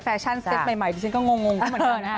แฟชั่นเซ็ทใหม่ดิฉันก็งงก็เหมือนกันนะคะ